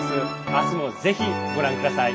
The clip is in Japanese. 明日もぜひご覧ください。